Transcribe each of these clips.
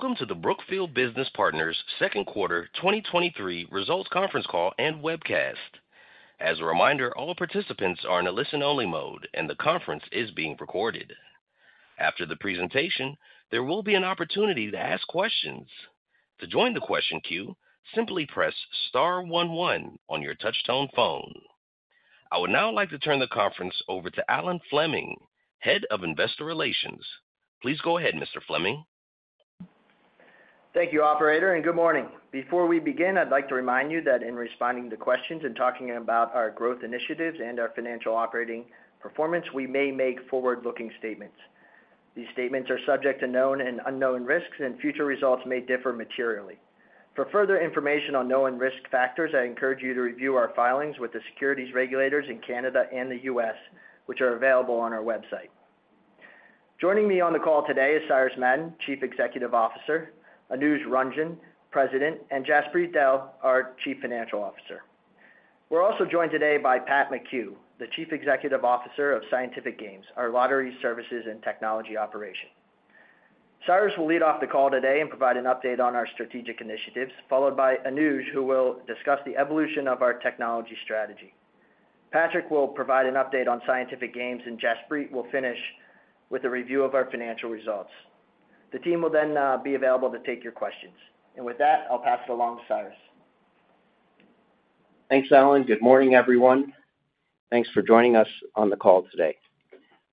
Welcome to the Brookfield Business Partners Second Quarter 2023 Results Conference Call and Webcast. As a reminder, all participants are in a listen-only mode, and the conference is being recorded. After the presentation, there will be an opportunity to ask questions. To join the question queue, simply press star one one on your touchtone phone. I would now like to turn the conference over to Alan Fleming, Head of Investor Relations. Please go ahead, Mr. Fleming. Thank you, operator, and good morning. Before we begin, I'd like to remind you that in responding to questions and talking about our growth initiatives and our financial operating performance, we may make forward-looking statements. These statements are subject to known and unknown risks, and future results may differ materially. For further information on known risk factors, I encourage you to review our filings with the securities regulators in Canada and the U.S., which are available on our website. Joining me on the call today is Cyrus Madon Chief Executive Officer, Anuj Ranjan, President, and Jaspreet Dehl, our Chief Financial Officer. We're also joined today by Pat McHugh, the Chief Executive Officer of Scientific Games, our lottery services and technology operation. Cyrus will lead off the call today and provide an update on our strategic initiatives, followed by Anuj, who will discuss the evolution of our technology strategy. Patrick will provide an update on Scientific Games, and Jaspreet will finish with a review of our financial results. The team will then be available to take your questions. With that, I'll pass it along to Cyrus. Thanks, Alan. Good morning, everyone. Thanks for joining us on the call today.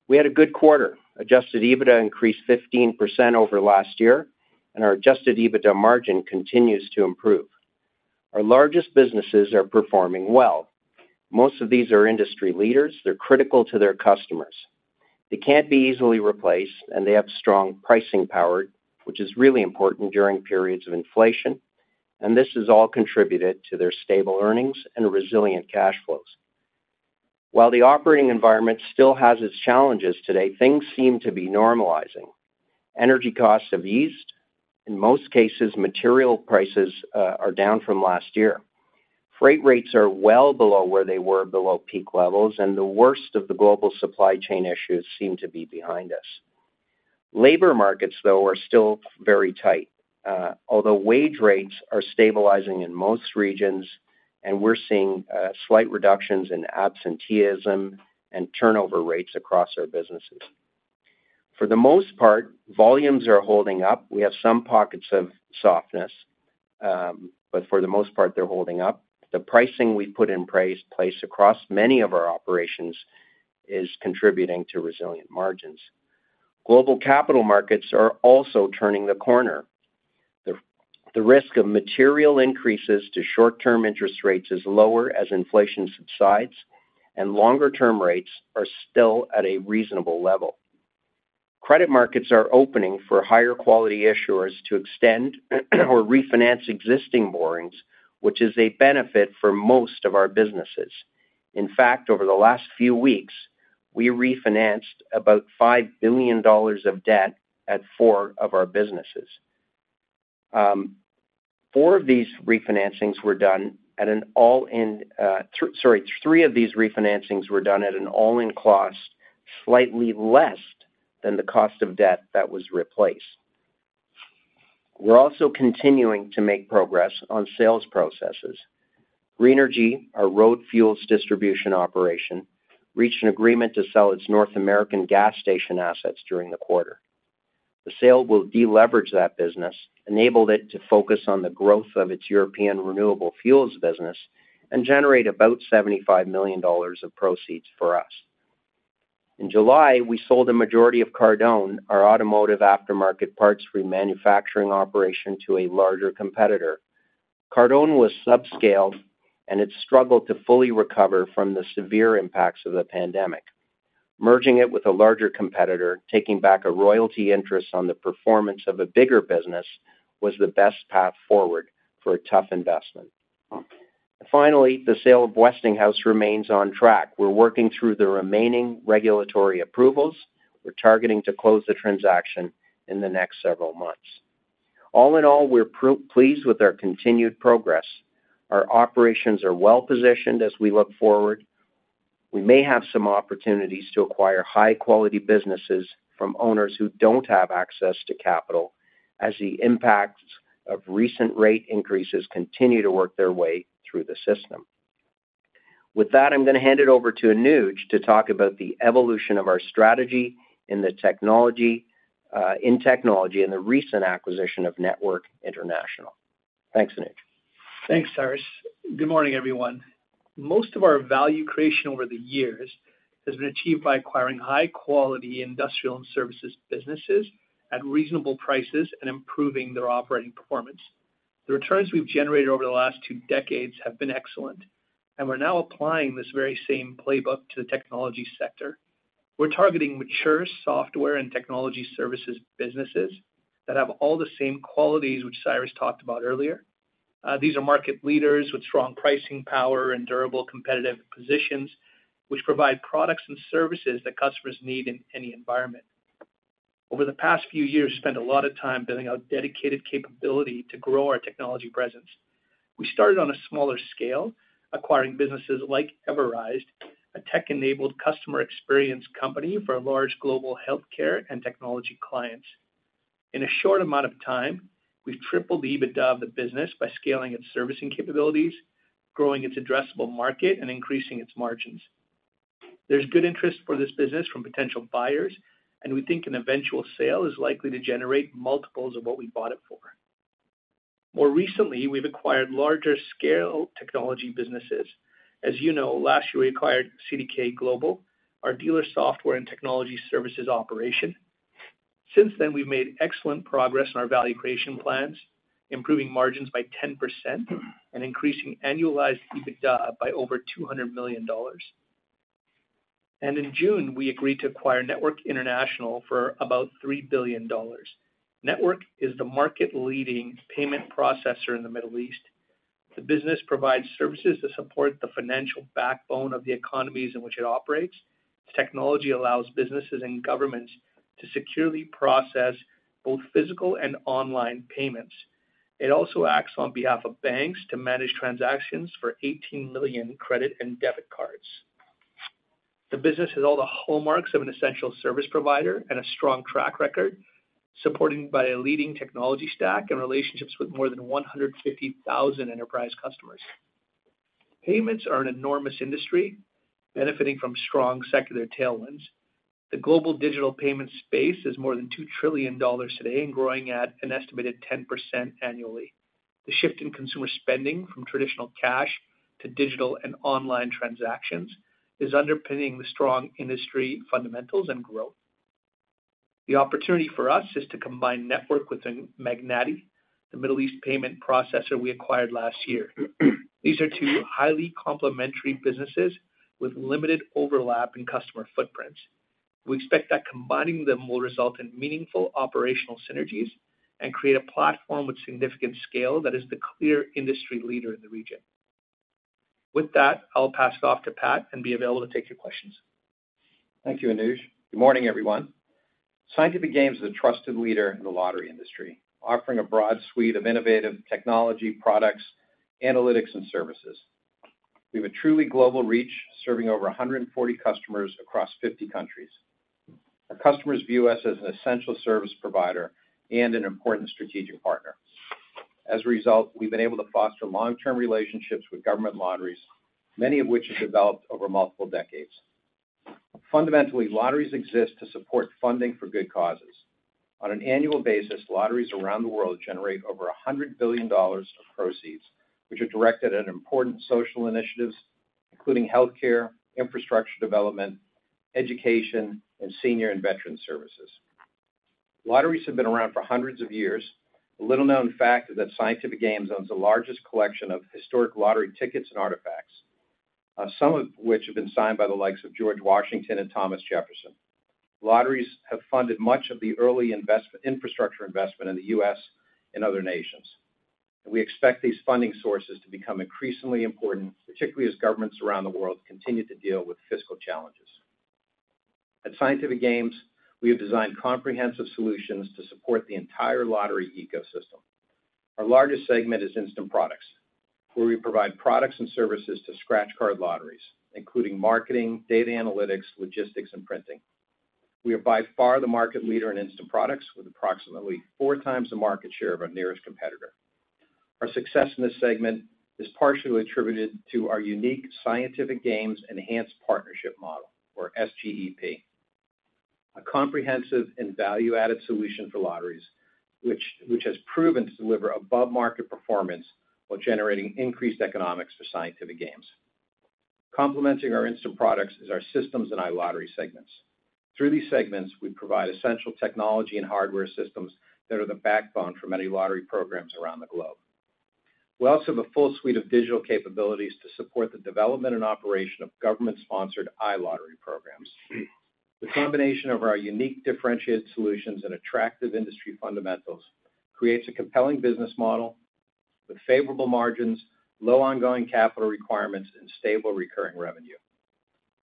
We had a good quarter. Adjusted EBITDA increased 15% over last year, and our Adjusted EBITDA margin continues to improve. Our largest businesses are performing well. Most of these are industry leaders. They're critical to their customers. They can't be easily replaced, and they have strong pricing power, which is really important during periods of inflation. This has all contributed to their stable earnings and resilient cash flows. While the operating environment still has its challenges today, things seem to be normalizing. Energy costs have eased. In most cases, material prices are down from last year. Freight rates are well below where they were below peak levels, and the worst of the global supply chain issues seem to be behind us. Labor markets, though, are still very tight, although wage rates are stabilizing in most regions, and we're seeing slight reductions in absenteeism and turnover rates across our businesses. For the most part, volumes are holding up. We have some pockets of softness, but for the most part, they're holding up. The pricing we put in place across many of our operations is contributing to resilient margins. Global capital markets are also turning the corner. The risk of material increases to short-term interest rates is lower as inflation subsides, and longer-term rates are still at a reasonable level. Credit markets are opening for higher quality issuers to extend or refinance existing borrowings, which is a benefit for most of our businesses. In fact, over the last few weeks, we refinanced about $5 billion of debt at four of our businesses. four of these refinancings were done at an all-in, Sorry, three of these refinancings were done at an all-in cost, slightly less than the cost of debt that was replaced. We're also continuing to make progress on sales processes. Greenergy, our road fuels distribution operation, reached an agreement to sell its North American gas station assets during the quarter. The sale will deleverage that business, enable it to focus on the growth of its European renewable fuels business, and generate about $75 million of proceeds for us. In July, we sold a majority of Cardone, our automotive aftermarket parts remanufacturing operation, to a larger competitor. Cardone was subscaled, and it struggled to fully recover from the severe impacts of the pandemic. Merging it with a larger competitor, taking back a royalty interest on the performance of a bigger business, was the best path forward for a tough investment. The sale of Westinghouse remains on track. We're working through the remaining regulatory approvals. We're targeting to close the transaction in the next several months. All in all, we're pleased with our continued progress. Our operations are well-positioned as we look forward. We may have some opportunities to acquire high-quality businesses from owners who don't have access to capital, as the impacts of recent rate increases continue to work their way through the system. With that, I'm gonna hand it over to Anuj to talk about the evolution of our strategy in the technology, in technology and the recent acquisition of Network International. Thanks, Anuj. Thanks, Cyrus. Good morning, everyone. Most of our value creation over the years has been achieved by acquiring high-quality industrial and services businesses at reasonable prices and improving their operating performance. The returns we've generated over the last two decades have been excellent, and we're now applying this very same playbook to the technology sector. We're targeting mature software and technology services businesses that have all the same qualities which Cyrus talked about earlier. These are market leaders with strong pricing power and durable competitive positions, which provide products and services that customers need in any environment. Over the past few years, we spent a lot of time building out dedicated capability to grow our technology presence. We started on a smaller scale, acquiring businesses like Everise, a tech-enabled customer experience company for large global healthcare and technology clients. In a short amount of time, we've tripled the EBITDA of the business by scaling its servicing capabilities, growing its addressable market, and increasing its margins. There's good interest for this business from potential buyers, and we think an eventual sale is likely to generate multiples of what we bought it for. More recently, we've acquired larger-scale technology businesses. As you know, last year, we acquired CDK Global, our dealer software and technology services operation. Since then, we've made excellent progress in our value creation plans, improving margins by 10% and increasing annualized EBITDA by over $200 million. In June, we agreed to acquire Network International for about $3 billion. Network is the market-leading payment processor in the Middle East. The business provides services to support the financial backbone of the economies in which it operates. Technology allows businesses and governments to securely process both physical and online payments. It also acts on behalf of banks to manage transactions for 18 million credit and debit cards. The business has all the hallmarks of an essential service provider and a strong track record, supported by a leading technology stack and relationships with more than 150,000 enterprise customers. Payments are an enormous industry, benefiting from strong secular tailwinds. The global digital payment space is more than $2 trillion today and growing at an estimated 10% annually. The shift in consumer spending from traditional cash to digital and online transactions is underpinning the strong industry fundamentals and growth. The opportunity for us is to combine Network with Magnati, the Middle East payment processor we acquired last year. These are two highly complementary businesses with limited overlap in customer footprints. We expect that combining them will result in meaningful operational synergies and create a platform with significant scale that is the clear industry leader in the region. With that, I'll pass it off to Pat and be available to take your questions. Thank you, Anuj. Good morning, everyone. Scientific Games is a trusted leader in the lottery industry, offering a broad suite of innovative technology products, analytics, and services. We have a truly global reach, serving over 140 customers across 50 countries. Our customers view us as an essential service provider and an important strategic partner. As a result, we've been able to foster long-term relationships with government lotteries, many of which have developed over multiple decades. Fundamentally, lotteries exist to support funding for good causes. On an annual basis, lotteries around the world generate over $100 billion of proceeds, which are directed at important social initiatives, including healthcare, infrastructure development, education, and senior and veteran services. Lotteries have been around for hundreds of years. A little-known fact is that Scientific Games owns the largest collection of historic lottery tickets and artifacts, some of which have been signed by the likes of George Washington and Thomas Jefferson. Lotteries have funded much of the early infrastructure investment in the US and other nations. We expect these funding sources to become increasingly important, particularly as governments around the world continue to deal with fiscal challenges. At Scientific Games, we have designed comprehensive solutions to support the entire lottery ecosystem. Our largest segment is instant products, where we provide products and services to scratch-card lotteries, including marketing, data analytics, logistics, and printing. We are by far the market leader in instant products, with approximately 4x the market share of our nearest competitor. Our success in this segment is partially attributed to our unique Scientific Games Enhanced Partnership model, or SGEP, a comprehensive and value-added solution for lotteries, which has proven to deliver above-market performance while generating increased economics for Scientific Games. Complementing our instant products is our systems and iLottery segments. Through these segments, we provide essential technology and hardware systems that are the backbone for many lottery programs around the globe. We also have a full suite of digital capabilities to support the development and operation of government-sponsored iLottery programs. The combination of our unique differentiated solutions and attractive industry fundamentals creates a compelling business model with favorable margins, low ongoing capital requirements, and stable recurring revenue.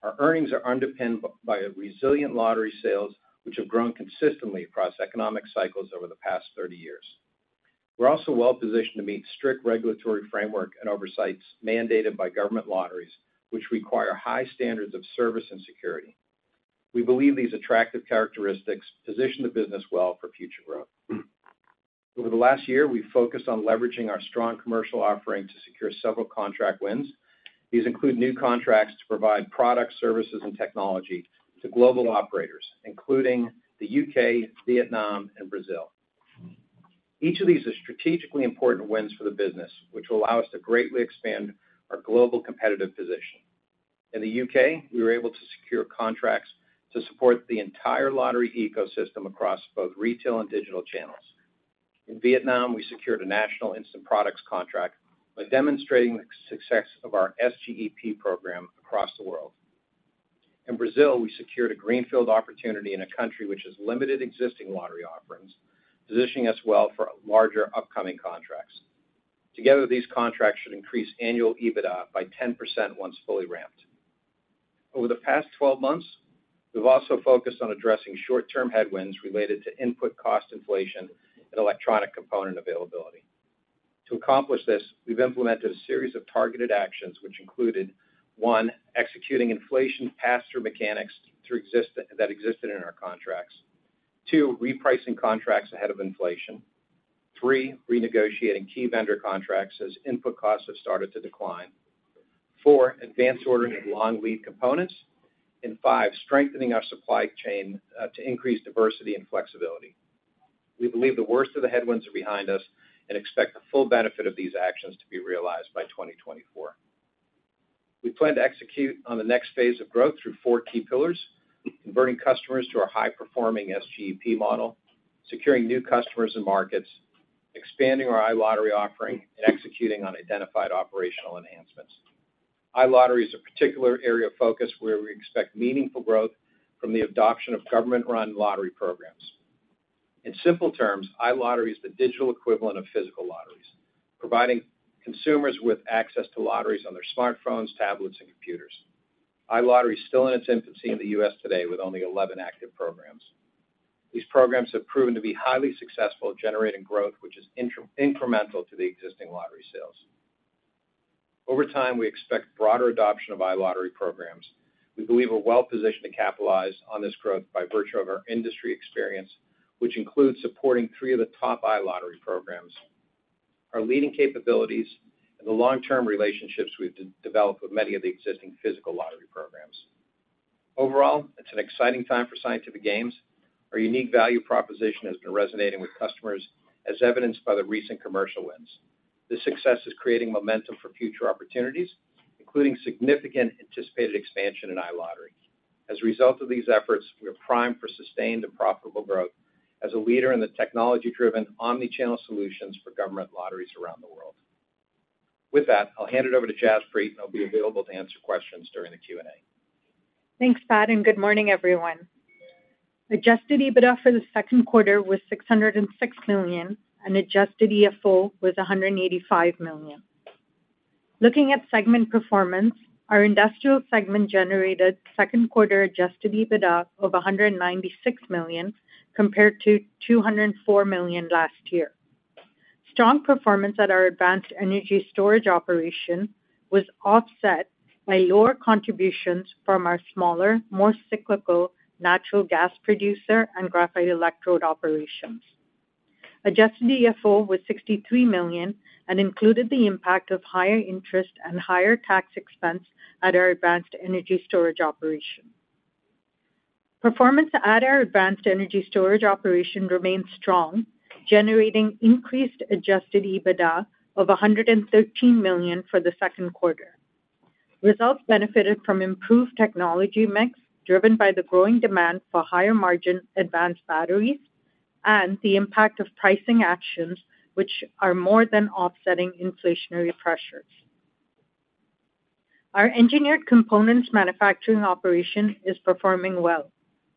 Our earnings are underpinned by resilient lottery sales, which have grown consistently across economic cycles over the past 30 years. We're also well-positioned to meet strict regulatory framework and oversights mandated by government lotteries, which require high standards of service and security. We believe these attractive characteristics position the business well for future growth. Over the last year, we've focused on leveraging our strong commercial offering to secure several contract wins. These include new contracts to provide products, services, and technology to global operators, including the UK, Vietnam, and Brazil. Each of these is strategically important wins for the business, which will allow us to greatly expand our global competitive position. In the UK, we were able to secure contracts to support the entire lottery ecosystem across both retail and digital channels. In Vietnam, we secured a national instant products contract by demonstrating the success of our SGEP program across the world. In Brazil, we secured a greenfield opportunity in a country which has limited existing lottery offerings, positioning us well for larger upcoming contracts. Together, these contracts should increase annual EBITDA by 10% once fully ramped. Over the past 12 months, we've also focused on addressing short-term headwinds related to input cost inflation and electronic component availability. To accomplish this, we've implemented a series of targeted actions, which included, one, executing inflation pass-through mechanics that existed in our contracts. two, repricing contracts ahead of inflation. three, renegotiating key vendor contracts as input costs have started to decline. four, advanced ordering of long lead components, and five, strengthening our supply chain to increase diversity and flexibility. We believe the worst of the headwinds are behind us and expect the full benefit of these actions to be realized by 2024. We plan to execute on the next phase of growth through four key pillars: converting customers to our high-performing SGEP model, securing new customers and markets, expanding our iLottery offering, and executing on identified operational enhancements. iLottery is a particular area of focus where we expect meaningful growth from the adoption of government-run lottery programs. In simple terms, iLottery is the digital equivalent of physical lotteries, providing consumers with access to lotteries on their smartphones, tablets, and computers. iLottery is still in its infancy in the U.S. today with only 11 active programs. These programs have proven to be highly successful at generating growth, which is incremental to the existing lottery sales. Over time, we expect broader adoption of iLottery programs. We believe we're well-positioned to capitalize on this growth by virtue of our industry experience, which includes supporting three of the top iLottery programs, our leading capabilities, and the long-term relationships we've developed with many of the existing physical lottery programs. It's an exciting time for Scientific Games. Our unique value proposition has been resonating with customers, as evidenced by the recent commercial wins. This success is creating momentum for future opportunities, including significant anticipated expansion in iLottery. As a result of these efforts, we are primed for sustained and profitable growth as a leader in the technology-driven, omnichannel solutions for government lotteries around the world. With that, I'll hand it over to Jaspreet, and I'll be available to answer questions during the Q&A. Thanks, Pat. Good morning, everyone. Adjusted EBITDA for the second quarter was $606 million. Adjusted EFO was $185 million. Looking at segment performance, our industrial segment generated second quarter Adjusted EBITDA of $196 million, compared to $204 million last year. Strong performance at our advanced energy storage operation was offset by lower contributions from our smaller, more cyclical natural gas producer and graphite electrode operations. Adjusted EFO was $63 million and included the impact of higher interest and higher tax expense at our advanced energy storage operation. Performance at our advanced energy storage operation remained strong, generating increased Adjusted EBITDA of $113 million for the second quarter. Results benefited from improved technology mix, driven by the growing demand for higher-margin advanced batteries and the impact of pricing actions, which are more than offsetting inflationary pressures. Our engineered components manufacturing operation is performing well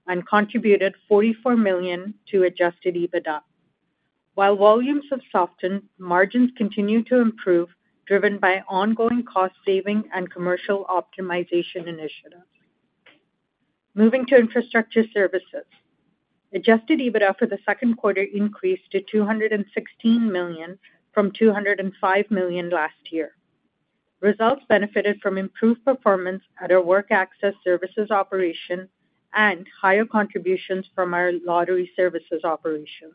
and contributed $44 million to Adjusted EBITDA. While volumes have softened, margins continue to improve, driven by ongoing cost saving and commercial optimization initiatives. Moving to infrastructure services. Adjusted EBITDA for the second quarter increased to $216 million from $205 million last year. Results benefited from improved performance at our work access services operation and higher contributions from our lottery services operations.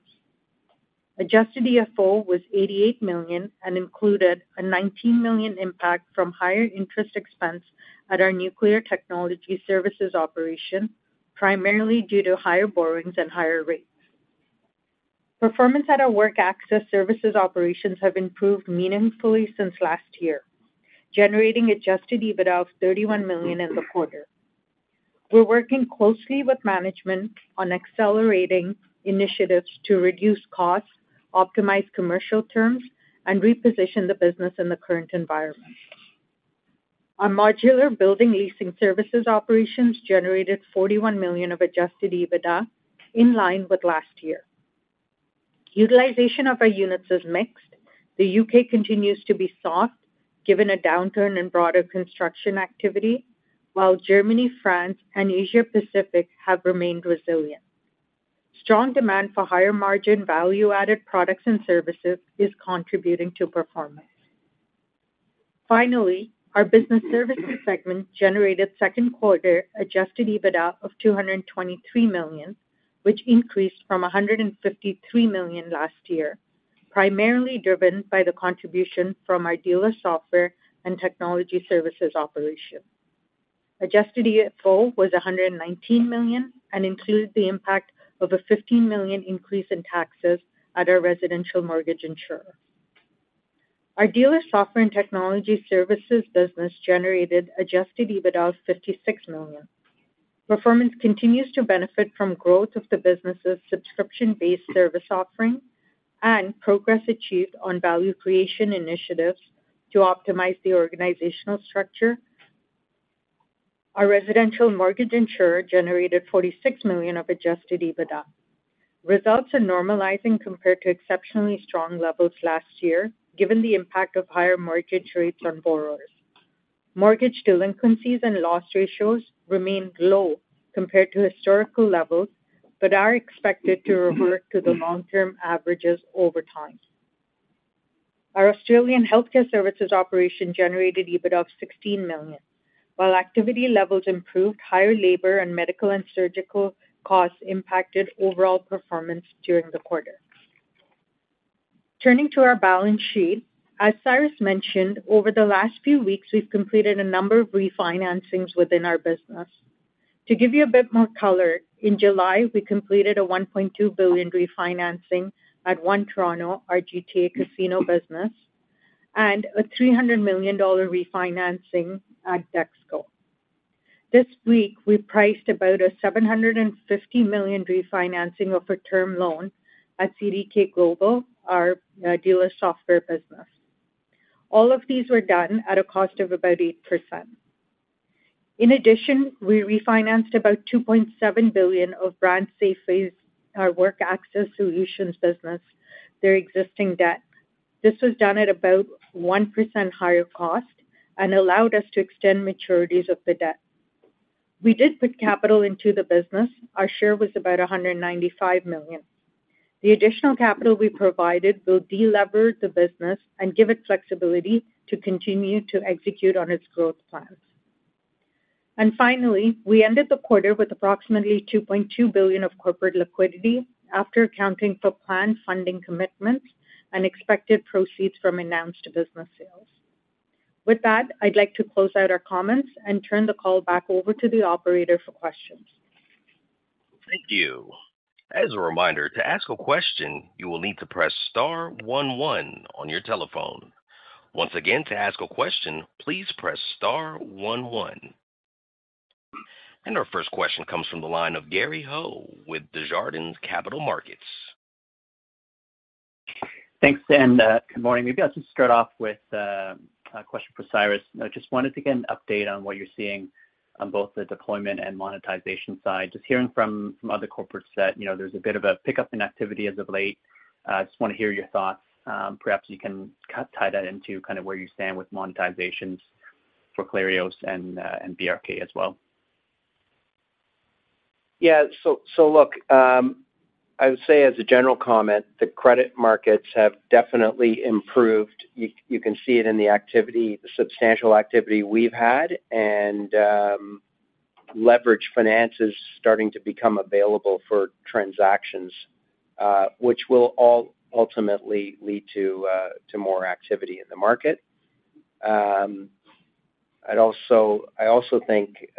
Adjusted EFO was $88 million and included a $19 million impact from higher interest expense at our nuclear technology services operation, primarily due to higher borrowings and higher rates. Performance at our work access services operations have improved meaningfully since last year, generating Adjusted EBITDA of $31 million in the quarter. We're working closely with management on accelerating initiatives to reduce costs, optimize commercial terms, and reposition the business in the current environment. Our modular building leasing services operations generated $41 million of Adjusted EBITDA, in line with last year. Utilization of our units is mixed. The U.K. continues to be soft, given a downturn in broader construction activity, while Germany, France, and Asia Pacific have remained resilient. Strong demand for higher-margin, value-added products and services is contributing to performance. Finally, our business services segment generated second-quarter Adjusted EBITDA of $223 million, which increased from $153 million last year, primarily driven by the contribution from our dealer software and technology services operation. Adjusted EFO was $119 million includes the impact of a $15 million increase in taxes at our residential mortgage insurer. Our dealer software and technology services business generated Adjusted EBITDA of $56 million. Performance continues to benefit from growth of the business's subscription-based service offering and progress achieved on value creation initiatives to optimize the organizational structure. Our residential mortgage insurer generated $46 million of Adjusted EBITDA. Results are normalizing compared to exceptionally strong levels last year, given the impact of higher mortgage rates on borrowers. Mortgage delinquencies and loss ratios remained low compared to historical levels, are expected to revert to the long-term averages over time. Our Australian healthcare services operation generated EBIT of $16 million. Activity levels improved, higher labor and medical and surgical costs impacted overall performance during the quarter. Turning to our balance sheet. As Cyrus mentioned, over the last few weeks, we've completed a number of refinancings within our business. To give you a bit more color, in July, we completed a $1.2 billion refinancing at One Toronto, our GTA casino business, and a $300 million refinancing at DexKo. This week, we priced about a $750 million refinancing of a term loan at CDK Global, our dealer software business. All of these were done at a cost of about 8%. In addition, we refinanced about $2.7 billion of BrandSafway's, our work access solutions business, their existing debt. This was done at about 1% higher cost and allowed us to extend maturities of the debt. We did put capital into the business. Our share was about $195 million. The additional capital we provided will delever the business and give it flexibility to continue to execute on its growth plans. Finally, we ended the quarter with approximately $2.2 billion of corporate liquidity, after accounting for planned funding commitments and expected proceeds from announced business sales. With that, I'd like to close out our comments and turn the call back over to the operator for questions. Thank you. As a reminder, to ask a question, you will need to press star one, one on your telephone. Once again, to ask a question, please press star one, one. Our first question comes from the line of Gary Ho with Desjardins Capital Markets. Thanks, good morning. Maybe I'll just start off with a question for Cyrus. I just wanted to get an update on what you're seeing on both the deployment and monetization side. Just hearing from, from other corporates that, you know, there's a bit of a pickup in activity as of late. Just wanna hear your thoughts. Perhaps you can tie that into kind of where you stand with monetizations for Clarios and BRK as well. Look, I would say as a general comment, the credit markets have definitely improved. You, you can see it in the activity, the substantial activity we've had, and leverage finance is starting to become available for transactions, which will all ultimately lead to more activity in the market. I also think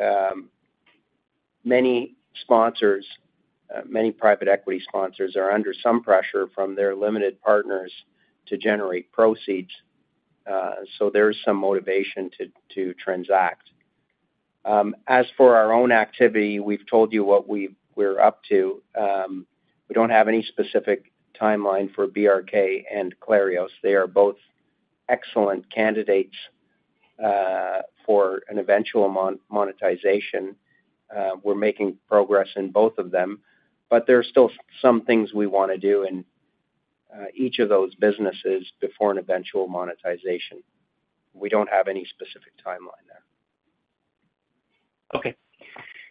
many sponsors, many private equity sponsors are under some pressure from their limited partners to generate proceeds, so there's some motivation to transact. As for our own activity, we've told you what we're up to. We don't have any specific timeline for BRK and Clarios. They are both excellent candidates, for an eventual monetization. We're making progress in both of them, but there are still some things we wanna do in each of those businesses before an eventual monetization. We don't have any specific timeline there. Okay.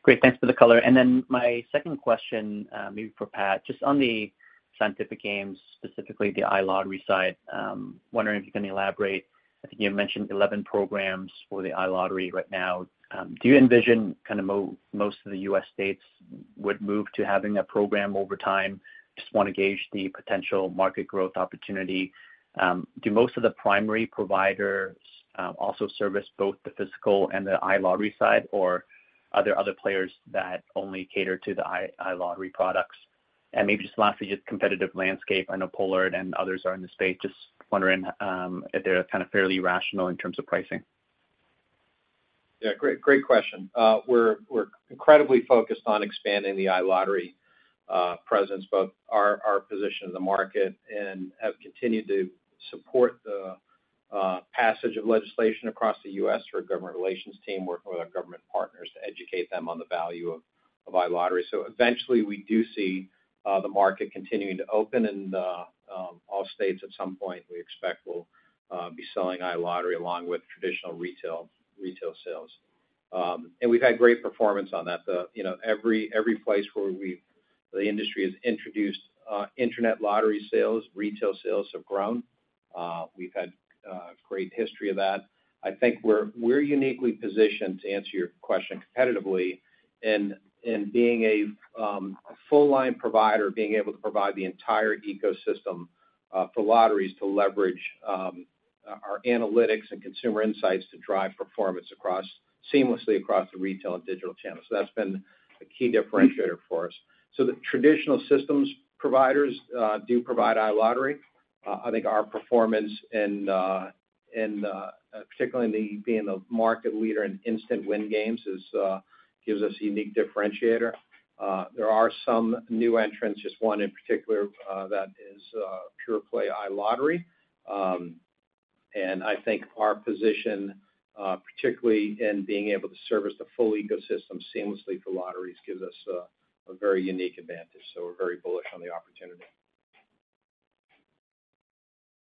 Great. Thanks for the color. My second question, maybe for Pat, just on the Scientific Games, specifically the iLottery side, wondering if you can elaborate. I think you mentioned 11 programs for the iLottery right now. Do you envision kind of most of the U.S. states would move to having a program over time? Just wanna gauge the potential market growth opportunity. Do most of the primary providers also service both the physical and the iLottery side, or are there other players that only cater to the iLottery products? Maybe just lastly, just competitive landscape. I know Pollard and others are in the space. Just wondering if they're kind of fairly rational in terms of pricing. Yeah, great, great question. We're, we're incredibly focused on expanding the iLottery presence, both our, our position in the market and have continued to support the passage of legislation across the U.S. for our government relations team, working with our government partners to educate them on the value of iLottery. Eventually, we do see the market continuing to open, and all states, at some point, we expect will be selling iLottery along with traditional retail, retail sales. We've had great performance on that. The, you know, every, every place where the industry has introduced internet lottery sales, retail sales have grown. We've had great history of that. I think we're, we're uniquely positioned, to answer your question competitively, in, in being a full line provider, being able to provide the entire ecosystem for lotteries to leverage our analytics and consumer insights to drive performance seamlessly across the retail and digital channels. That's been a key differentiator for us. The traditional systems providers do provide iLottery. I think our performance in, in particularly being the market leader in instant win games is gives us a unique differentiator. There are some new entrants, just one in particular, that is Pure Play iLottery. I think our position, particularly in being able to service the full ecosystem seamlessly for lotteries, gives us a very unique advantage. We're very bullish on the opportunity.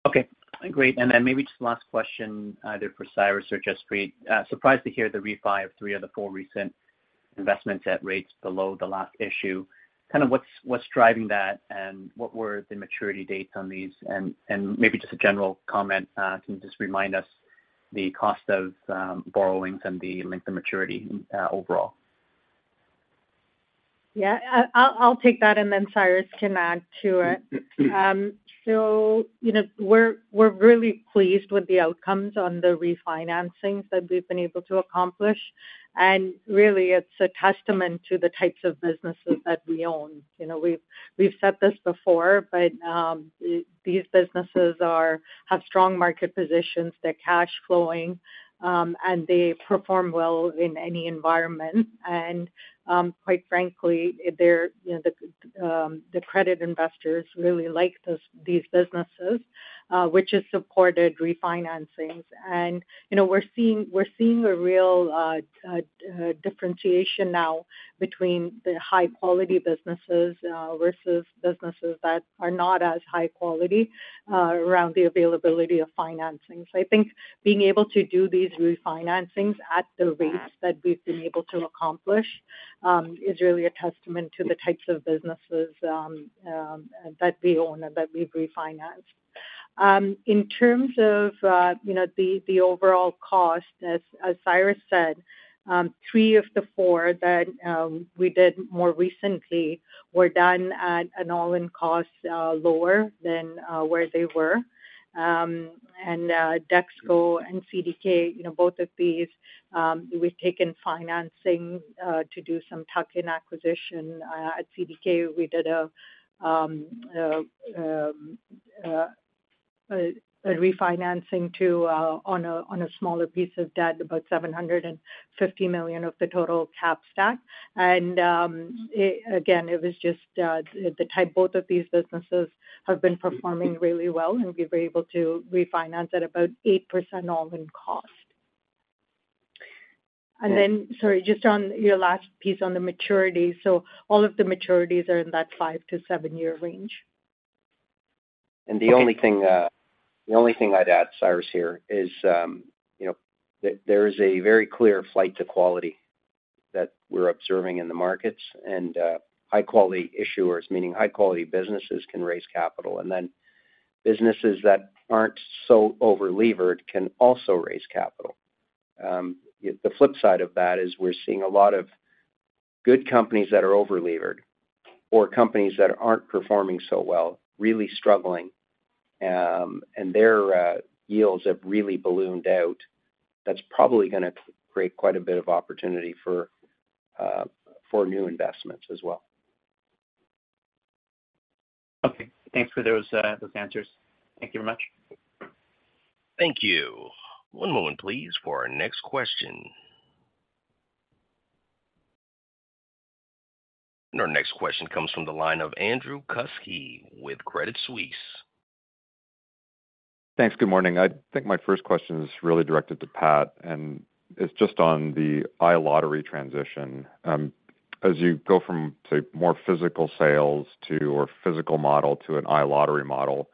Okay, great. Then maybe just the last question, either for Cyrus or Jaspreet. Surprised to hear the refi of three of the four recent investments at rates below the last issue. Kind of what's, what's driving that, and what were the maturity dates on these? Maybe just a general comment, can you just remind us the cost of borrowings and the length of maturity overall? Yeah, I'll, I'll take that, and then Cyrus can add to it. You know, we're, we're really pleased with the outcomes on the refinancings that we've been able to accomplish, and really, it's a testament to the types of businesses that we own. You know, we've, we've said this before, but these businesses have strong market positions, they're cash flowing, and they perform well in any environment. Quite frankly, they're, you know, the credit investors really like these businesses, which has supported refinancings. You know, we're seeing, we're seeing a real differentiation now between the high-quality businesses versus businesses that are not as high quality around the availability of financings. I think being able to do these refinancings at the rates that we've been able to accomplish is really a testament to the types of businesses that we own and that we've refinanced. In terms of, you know, the overall cost, as Cyrus said, three of the four that we did more recently were done at an all-in cost lower than where they were. DexKo and CDK, you know, both of these, we've taken financing to do some tuck-in acquisition. At CDK, we did a refinancing to on a smaller piece of debt, about $750 million of the total cap stack. Again, it was just, both of these businesses have been performing really well, and we were able to refinance at about 8% all-in cost. Sorry, just on your last piece on the maturity. All of the maturities are in that five-seven-year range. The only thing, the only thing I'd add, Cyrus here, is, you know, that there is a very clear flight to quality that we're observing in the markets, and high-quality issuers, meaning high-quality businesses, can raise capital, and then businesses that aren't so over-levered can also raise capital. The flip side of that is we're seeing a lot of good companies that are over-levered or companies that aren't performing so well, really struggling, and their yields have really ballooned out. That's probably gonna create quite a bit of opportunity for new investments as well. Okay. Thanks for those, those answers. Thank you very much. Thank you. One moment, please, for our next question. Our next question comes from the line of Andrew Kuske with Credit Suisse. Thanks. Good morning. I think my first question is really directed to Pat, and it's just on the iLottery transition. As you go from, say, more physical sales to, or physical model to an iLottery model,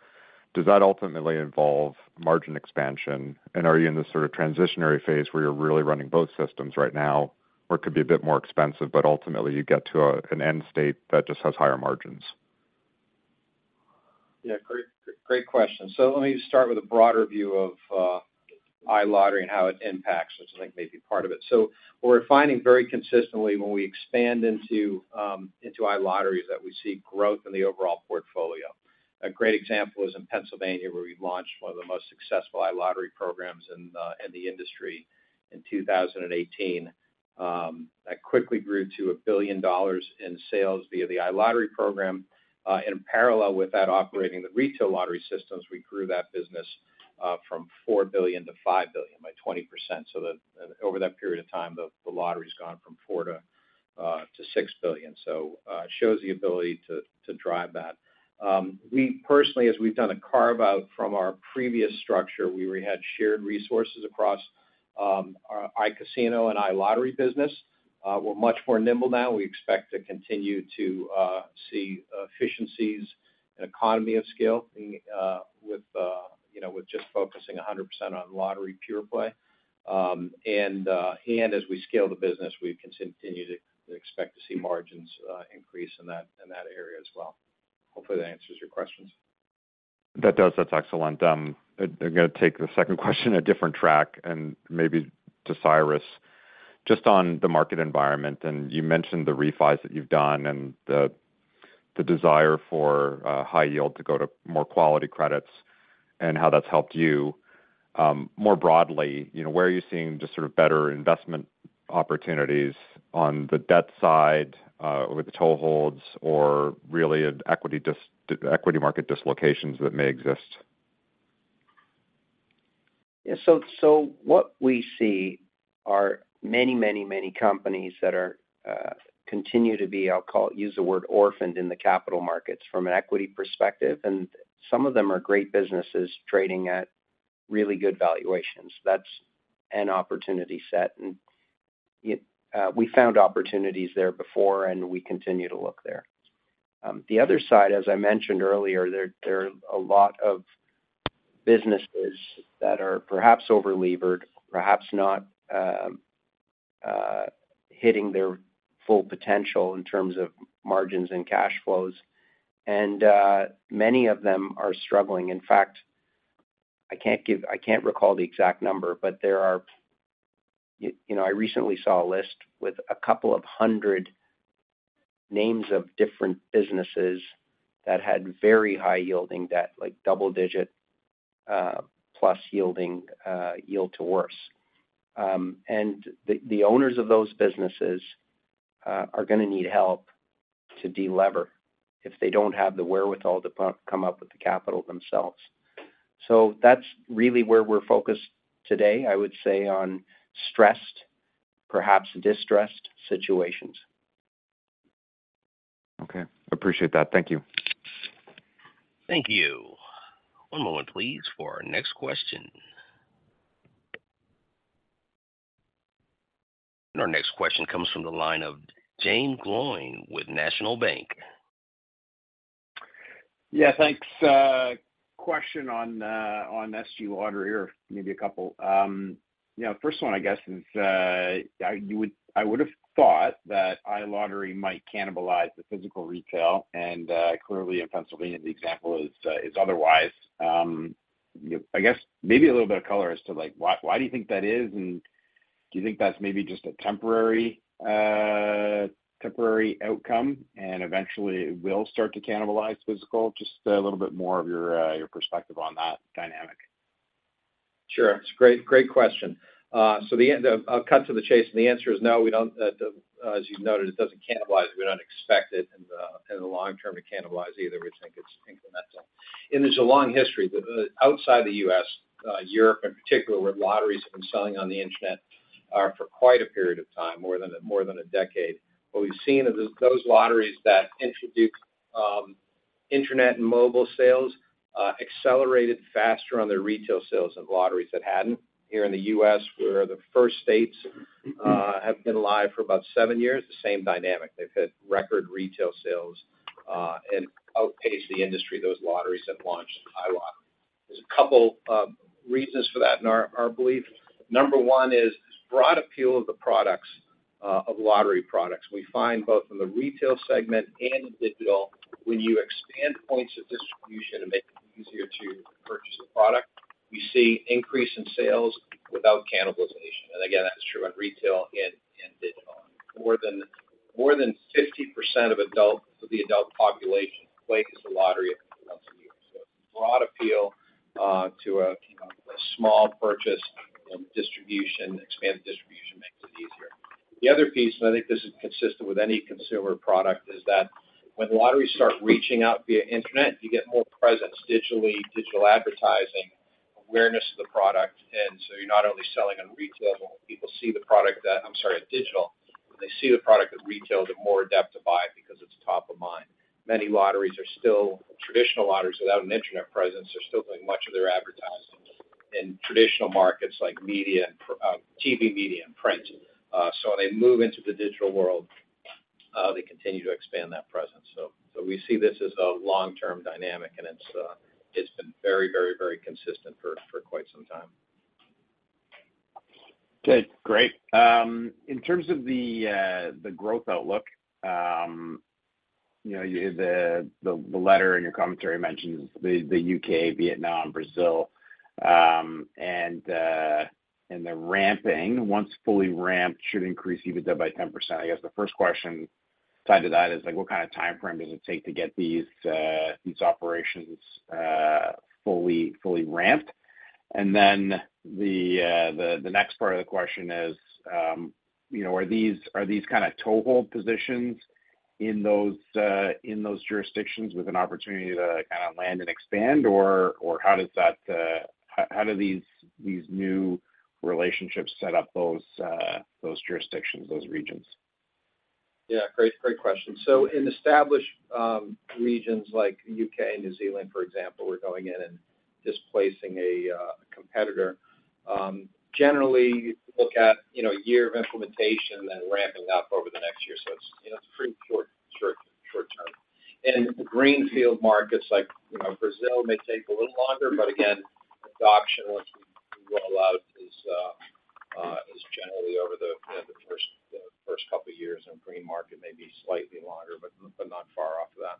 does that ultimately involve margin expansion? Are you in the sort of transitionary phase where you're really running both systems right now, or it could be a bit more expensive, but ultimately you get to a, an end state that just has higher margins? Yeah, great, great question. Let me start with a broader view of iLottery and how it impacts, which I think may be part of it. What we're finding very consistently when we expand into iLottery, is that we see growth in the overall portfolio. A great example is in Pennsylvania, where we launched one of the most successful iLottery programs in the industry in 2018. That quickly grew to $1 billion in sales via the iLottery program. In parallel with that, operating the retail lottery systems, we grew that business from $4 billion-$5 billion, by 20%. Over that period of time, the lottery's gone from $4 billion-$6 billion. It shows the ability to drive that. We personally, as we've done a carve-out from our previous structure, we re-had shared resources across our iCasino and iLottery business. We're much more nimble now. We expect to continue to see efficiencies and economy of scale with, you know, with just focusing 100% on lottery pure play. As we scale the business, we continue to expect to see margins increase in that, in that area as well. Hopefully, that answers your questions. That does. That's excellent. I'm gonna take the second question, a different track, and maybe to Cyrus, just on the market environment. You mentioned the refis that you've done and the, the desire for high yield to go to more quality credits and how that's helped you. More broadly, you know, where are you seeing just sort of better investment opportunities on the debt side, with the toeholds or really equity market dislocations that may exist? Yeah. What we see are many, many, many companies that are, continue to be, I'll call, use the word orphaned in the capital markets from an equity perspective. Some of them are great businesses trading at really good valuations. That's an opportunity set. Yet, we found opportunities there before, and we continue to look there. The other side, as I mentioned earlier, there are a lot of businesses that are perhaps overlevered, perhaps not, hitting their full potential in terms of margins and cash flows. Many of them are struggling. In fact, I can't recall the exact number, but there are, you know, I recently saw a list with 200 names of different businesses that had very high yielding debt, like double-digit plus yielding yield to worse. The, the owners of those businesses, are gonna need help to delever if they don't have the wherewithal to come up with the capital themselves. That's really where we're focused today, I would say, on stressed, perhaps distressed situations. Okay, appreciate that. Thank you. Thank you. One moment, please, for our next question. Our next question comes from the line of Jaeme Gloyn with National Bank. Yeah, thanks. Question on SG Lottery, or maybe a couple. You know, first one, I guess, is I would have thought that iLottery might cannibalize the physical retail, and clearly in Pennsylvania, the example is otherwise. I guess maybe a little bit of color as to, like, why do you think that is? Do you think that's maybe just a temporary temporary outcome, and eventually it will start to cannibalize physical? Just a little bit more of your perspective on that dynamic. Sure. It's a great, great question. The end of... I'll cut to the chase, the answer is no, we don't, as you've noted, it doesn't cannibalize. We don't expect it in the long term, to cannibalize either. We think it's incremental. There's a long history. The outside the U.S., Europe, in particular, where lotteries have been selling on the internet, for quite a period of time, more than a decade. What we've seen is those lotteries that introduced internet and mobile sales accelerated faster on their retail sales of lotteries that hadn't. Here in the U.S., where the first states have been live for about seven years, the same dynamic. They've had record retail sales and outpaced the industry, those lotteries have launched iLottery. There's a couple reasons for that in our, our belief. Number 1 is this broad appeal of the products, of lottery products. We find both in the retail segment and in digital, when you expand points of distribution and make it easier to purchase a product, we see increase in sales without cannibalization. Again, that's true in retail and, and digital. More than, more than 50% of adult, of the adult population, play this lottery. Broad appeal, to a, you know, a small purchase and distribution, expanded distribution makes it easier. The other piece, and I think this is consistent with any consumer product, is that when lotteries start reaching out via internet, you get more presence digitally, digital advertising, awareness of the product, and so you're not only selling on retail, people see the product, I'm sorry, on digital. When they see the product at retail, they're more adept to buy it because it's top of mind. Many lotteries are still traditional lotteries without an internet presence. They're still doing much of their advertising in traditional markets like media and TV, media, and print. They move into the digital world, they continue to expand that presence. We see this as a long-term dynamic, and it's, it's been very, very, very consistent for, for quite some time. Okay, great. In terms of the growth outlook, you know, the letter in your commentary mentions the UK, Vietnam, Brazil, and the ramping, once fully ramped, should increase EBITDA by 10%. I guess the first question tied to that is, like, what kind of timeframe does it take to get these operations fully, fully ramped? And then the next part of the question is, you know, are these, are these kind of toehold positions in those jurisdictions with an opportunity to kind of land and expand? Or, or how does that, how, how do these, these new relationships set up those jurisdictions, those regions? Yeah, great, great question. In established regions like UK and New Zealand, for example, we're going in and displacing a competitor. Generally, look at, you know, one year of implementation, then ramping up over the next year. It's, you know, it's pretty short, short, short term. In greenfield markets, like, you know, Brazil may take a little longer, but again, adoption, once we roll out, is generally over the, kind of the first, the first couple of years, and green market may be slightly longer, but not far off that.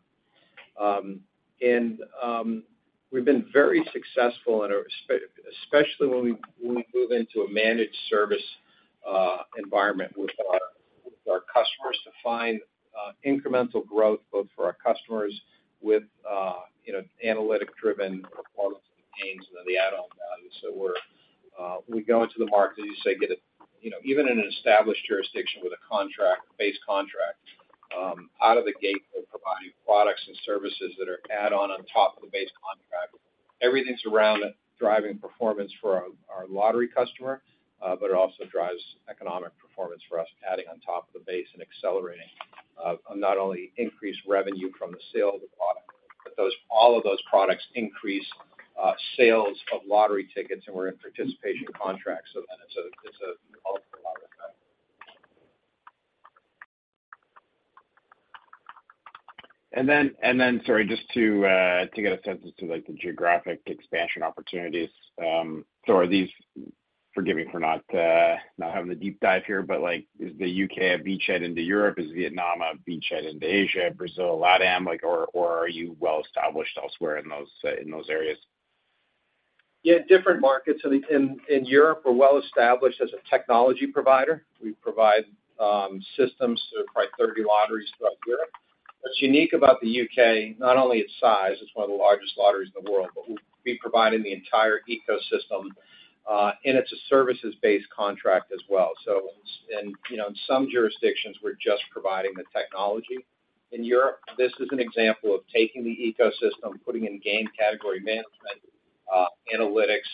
We've been very successful and especially when we, when we move into a managed service environment with our, with our customers to find incremental growth, both for our customers with, you know, analytic-driven products and gains and the add-on value. We're, we go into the market, as you say, get a, you know, even in an established jurisdiction with a contract, base contract, out of the gate, we're providing products and services that are add on on top of the base contract. Everything's around driving performance for our, our lottery customer. It also drives economic performance for us, adding on top of the base and accelerating, not only increased revenue from the sale of the product, but those- all of those products increase, sales of lottery tickets. We're in participation contracts. It's a, it's a multiplier effect. Sorry, just to get a sense as to, like, the geographic expansion opportunities. Are these-- forgive me for not not having the deep dive here, but, like, is the UK a beachhead into Europe? Is Vietnam a beachhead into Asia, Brazil, LatAm? Like, or, or are you well established elsewhere in those in those areas? Yeah, different markets in Europe are well established as a technology provider. We provide systems to probably 30 lotteries throughout Europe. What's unique about the UK, not only its size, it's one of the largest lotteries in the world, but we'll be providing the entire ecosystem, and it's a services-based contract as well. It's. You know, in some jurisdictions, we're just providing the technology. In Europe, this is an example of taking the ecosystem, putting in game category management, analytics,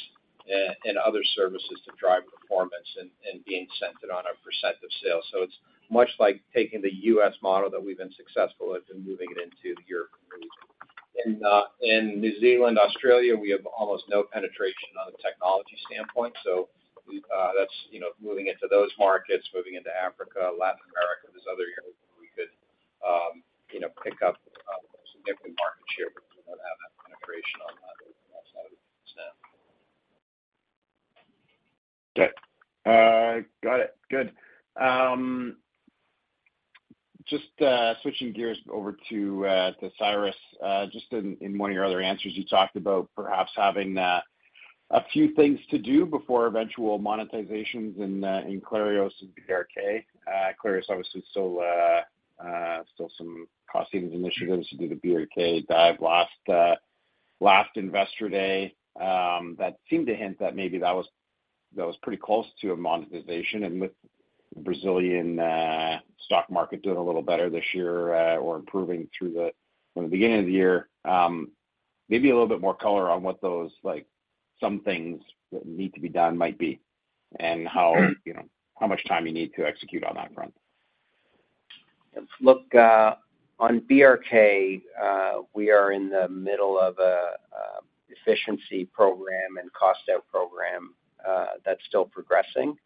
and other services to drive performance and being incented on a % of sales. It's much like taking the US model that we've been successful with and moving it into the European region. In New Zealand, Australia, we have almost no penetration on the technology standpoint, so we, that's, you know, moving into those markets, moving into Africa, Latin America, there's other areas where we could, you know, pick up significant market share, but we don't have that penetration on that, on that side of the stand. Okay. Got it. Good. Just switching gears over to to Cyrus, just in in one of your other answers, you talked about perhaps having a few things to do before eventual monetizations in in Clarios and BRK. Clarios, obviously, still still some costing initiatives to do the BRK dive last last Investor Day. That seemed to hint that maybe that was, that was pretty close to a monetization. With the Brazilian stock market doing a little better this year, or improving through the, from the beginning of the year, maybe a little bit more color on what those like, some things that need to be done might be, and how, you know, how much time you need to execute on that front. Look, on BRK, we are in the middle of a, a efficiency program and cost out program, that's still progressing.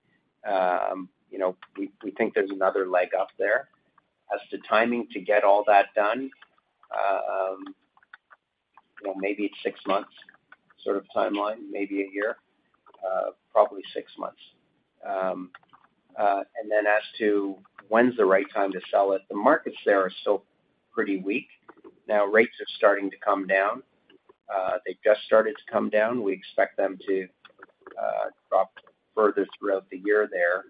You know, we, we think there's another leg up there. As to timing to get all that done, well, maybe it's 6 months sort of timeline, maybe one year, probably six months. Then as to when's the right time to sell it, the markets there are still pretty weak. Now, rates are starting to come down. They've just started to come down. We expect them to drop further throughout the year there.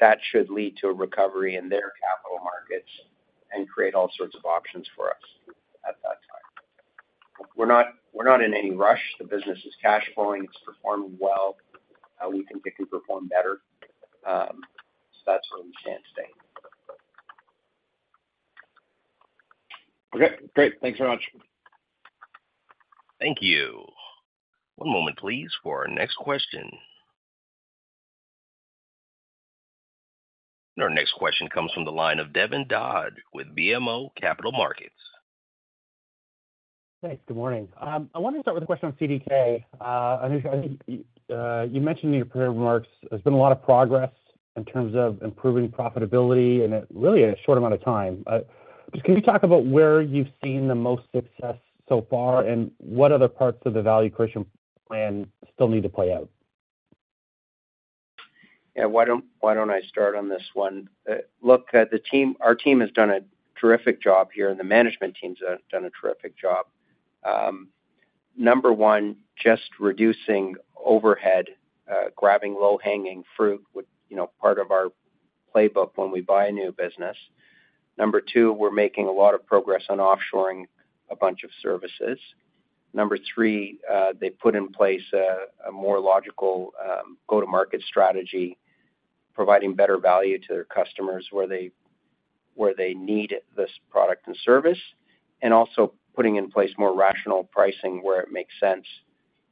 That should lead to a recovery in their capital markets and create all sorts of options for us at that time. We're not, we're not in any rush. The business is cash flowing, it's performing well, we think it can perform better. That's where we stand today. Okay, great. Thanks very much. Thank you. One moment, please, for our next question. Our next question comes from the line of Devin Dodge with BMO Capital Markets. Thanks. Good morning. I wanted to start with a question on CDK. Anuj, I think you mentioned in your prepared remarks there's been a lot of progress in terms of improving profitability and at really in a short amount of time. Just can you talk about where you've seen the most success so far, and what other parts of the value creation plan still need to play out? Yeah, why don't, why don't I start on this one? Look, our team has done a terrific job here, and the management team's done a terrific job. Number one, just reducing overhead, grabbing low-hanging fruit with, you know, part of our playbook when we buy a new business. Number two, we're making a lot of progress on offshoring a bunch of services. Number three, they put in place a more logical go-to-market strategy, providing better value to their customers where they, where they need this product and service, and also putting in place more rational pricing where it makes sense,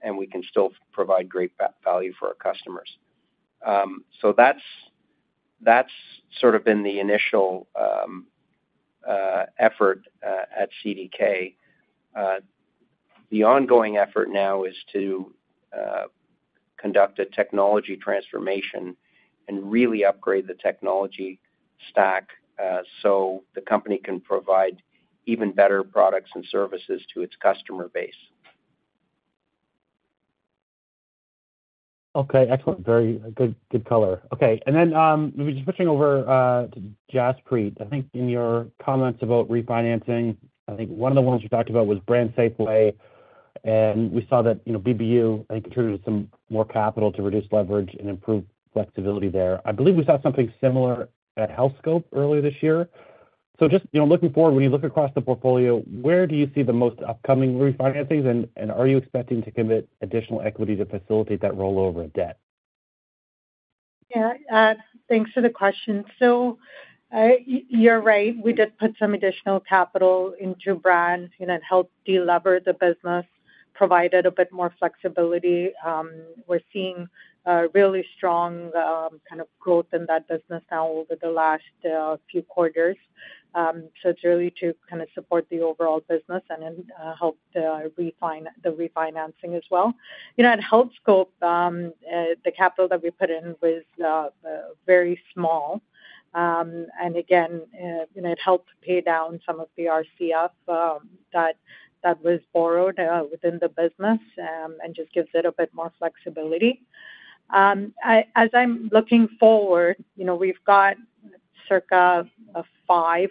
and we can still provide great value for our customers. That's, that's sort of been the initial effort at CDK. The ongoing effort now is to conduct a technology transformation and really upgrade the technology stack, so the company can provide even better products and services to its customer base. Okay, excellent. Very good, good color. Just switching over to Jaspreet. I think in your comments about refinancing, I think one of the ones you talked about was BrandSafway, and we saw that, you know, BBU, I think, contributed some more capital to reduce leverage and improve flexibility there. I believe we saw something similar at Healthscope earlier this year. Just, you know, looking forward, when you look across the portfolio, where do you see the most upcoming refinancings, are you expecting to commit additional equity to facilitate that rollover of debt? Yeah, thanks for the question. You're right, we did put some additional capital into brands, and it helped delever the business, provided a bit more flexibility. We're seeing a really strong kind of growth in that business now over the last few quarters. It's really to kind of support the overall business and then help the refinancing as well. You know, at Healthscope, the capital that we put in was very small. Again, you know, it helped pay down some of the RCF that was borrowed within the business, and just gives it a bit more flexibility. As I'm looking forward, you know, we've got circa a 5%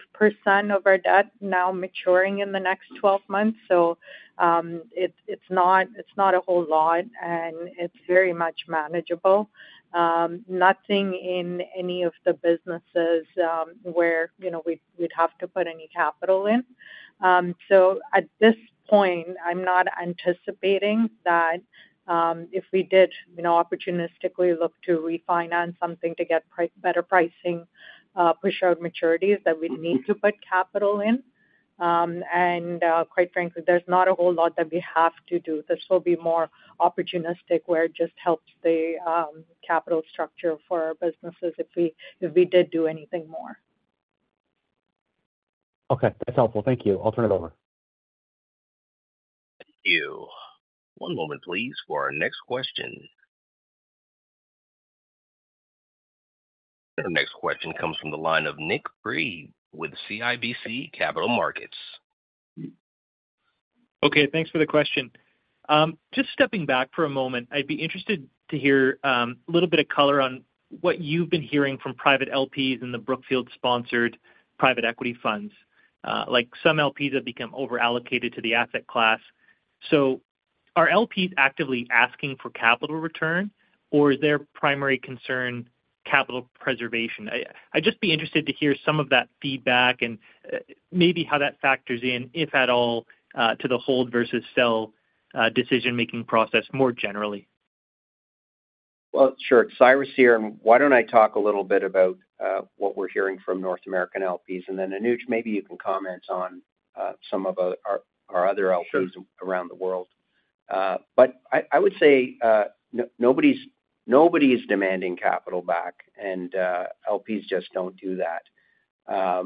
of our debt now maturing in the next 12 months, so it's not a whole lot, and it's very much manageable. Nothing in any of the businesses, where, you know, we, we'd have to put any capital in. At this point, I'm not anticipating that if we did, you know, opportunistically look to refinance something to get pri-better pricing, push out maturities, that we'd need to put capital in. Quite frankly, there's not a whole lot that we have to do. This will be more opportunistic, where it just helps the capital structure for our businesses if we, if we did do anything more. Okay, that's helpful. Thank you. I'll turn it over. Thank you. One moment, please, for our next question. Our next question comes from the line of Michael Reid with CIBC Capital Markets. Okay, thanks for the question. Just stepping back for a moment, I'd be interested to hear a little of color on what you've been hearing from private LPs in the Brookfield-sponsored private equity funds. Like, some LPs have become over-allocated to the asset class. Are LPs actively asking for capital return, or is their primary concern capital preservation? I'd just be interested to hear some of that feedback and maybe how that factors in, if at all, to the hold versus sell decision-making process more generally. Well, sure. Cyrus here, and why don't I talk a little bit about what we're hearing from North American LPs, and then, Anuj, maybe you can comment on some of our, our other LPs. Sure. around the world. But I, I would say, nobody's, nobody's demanding capital back, and LPs just don't do that.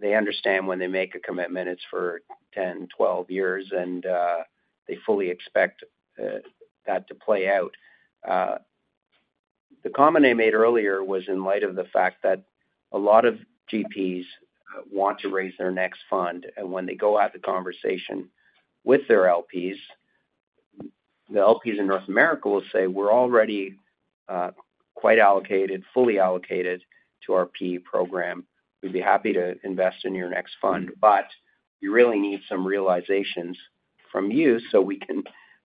They understand when they make a commitment, it's for 10, 12 years, and they fully expect that to play out. The comment I made earlier was in light of the fact that a lot of GPs want to raise their next fund, and when they go have the conversation with their LPs, the LPs in North America will say, "We're already quite allocated, fully allocated to our PE program. We'd be happy to invest in your next fund, but we really need some realizations from you, so we can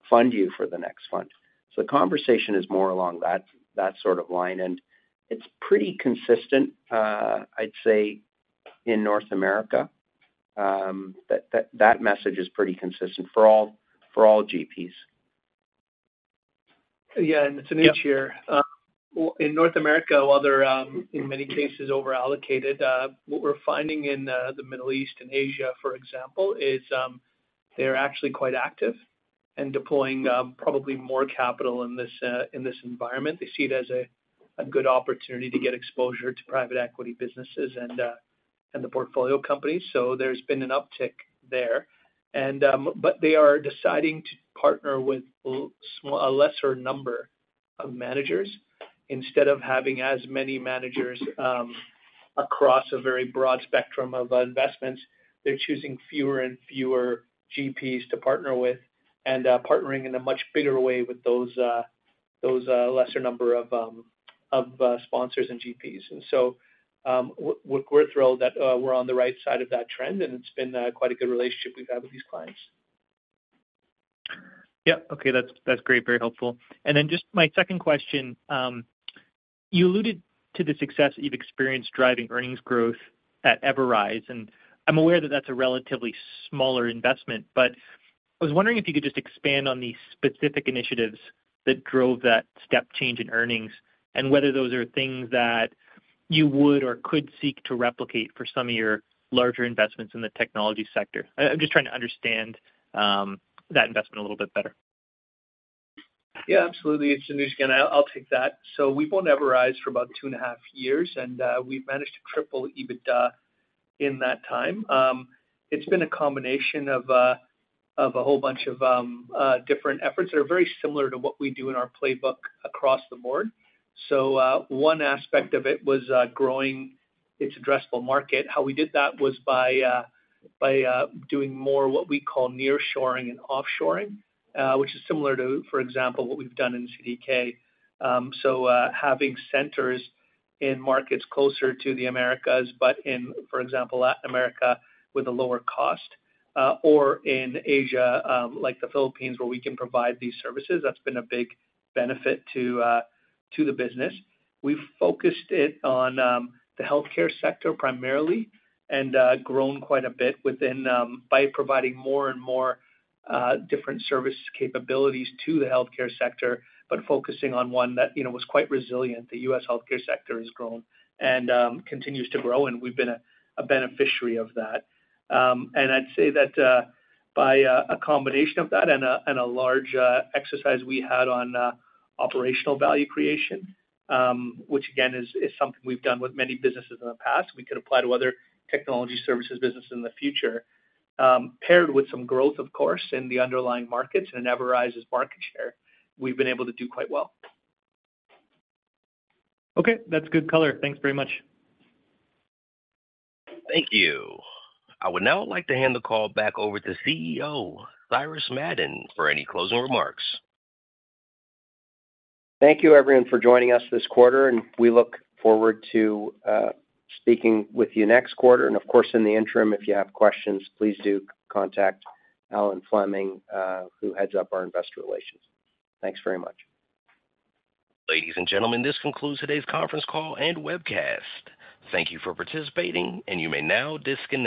fund you for the next fund." So the conversation is more along that, that sort of line, and it's pretty consistent, I'd say, in North America. That, that message is pretty consistent for all, for all GPs. Yeah, it's Anuj here. In North America, while they're in many cases over-allocated, what we're finding in the Middle East and Asia, for example, is they're actually quite active in deploying probably more capital in this environment. They see it as a good opportunity to get exposure to private equity businesses and the portfolio companies. There's been an uptick there. But they are deciding to partner with a lesser number of managers. Instead of having as many managers across a very broad spectrum of investments, they're choosing fewer and fewer GPs to partner with and partnering in a much bigger way with those those lesser number of sponsors and GPs. We're thrilled that we're on the right side of that trend, and it's been quite a good relationship we've had with these clients. Yeah. Okay, that's, that's great, very helpful. Just my second question: you alluded to the success you've experienced driving earnings growth at Everise, and I'm aware that that's a relatively smaller investment. I was wondering if you could just expand on the specific initiatives that drove that step change in earnings, and whether those are things that you would or could seek to replicate for some of your larger investments in the technology sector. I-I'm just trying to understand that investment a little bit better. Yeah, absolutely. It's Anuj again, I'll, I'll take that. We've owned Everise for about two and a half years, and we've managed to triple EBITDA in that time. It's been a combination of a whole bunch of different efforts that are very similar to what we do in our playbook across the board. One aspect of it was growing its addressable market. How we did that was by doing more what we call nearshoring and offshoring, which is similar to, for example, what we've done in CDK. Having centers in markets closer to the Americas, but in, for example, Latin America, with a lower cost, or in Asia, like the Philippines, where we can provide these services, that's been a big benefit to the business. We've focused it on the healthcare sector primarily, and grown quite a bit within... by providing more and more different service capabilities to the healthcare sector, but focusing on one that, you know, was quite resilient. The U.S. healthcare sector has grown and continues to grow, and we've been a beneficiary of that. I'd say that by a combination of that and a large exercise we had on operational value creation, which again, is something we've done with many businesses in the past, we could apply to other technology services business in the future. Paired with some growth, of course, in the underlying markets and Everise's market share, we've been able to do quite well. Okay, that's good color. Thanks very much. Thank you. I would now like to hand the call back over to CEO, Cyrus Madon, for any closing remarks. Thank you, everyone, for joining us this quarter, and we look forward to speaking with you next quarter. Of course, in the interim, if you have questions, please do contact Alan Fleming, who heads up our investor relations. Thanks very much. Ladies and gentlemen, this concludes today's conference call and webcast. Thank you for participating, and you may now disconnect.